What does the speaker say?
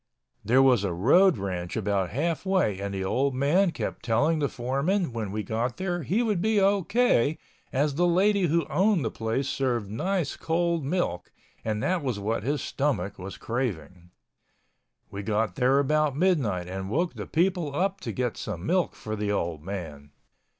There was a road ranch about half way and the old man kept telling the foreman when we got there he would be O.K. as the lady who owned the place served nice cold milk and that was what his stomach was craving. We got there about midnight and woke the people up to get some milk for the old man.